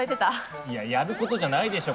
いやいややることじゃないでしょ